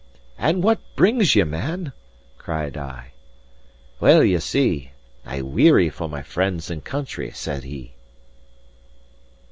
"And what brings ye, man?" cried I. "Well, ye see, I weary for my friends and country," said he.